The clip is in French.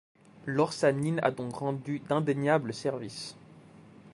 L'orsanine a donc rendu d'indéniables services.